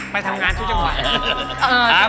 ไปทำงานช่วยจังหวัด